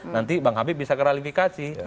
nanti bang habib bisa klarifikasi